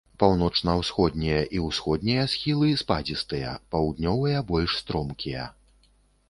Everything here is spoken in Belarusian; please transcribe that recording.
Паўночна-ўсходнія і ўсходнія схілы спадзістыя, паўднёвыя больш стромкія.